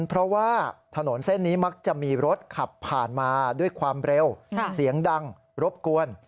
เพราะว่าถนนเส้นนี้มักจะมีรถขับผ่านมาด้วยความเร็วเสียงดังรบกวน